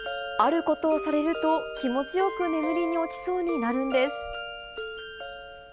あることをされると、気持ちよく眠りに落ちそうになるんです。